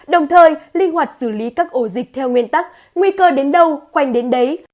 đồng thời linh hoạt xử lý các ổ dịch theo nguyên tắc nguy cơ đến đâu khoanh đến đấy